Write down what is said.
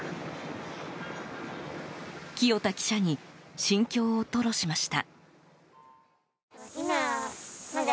清田記者に心境を吐露しました。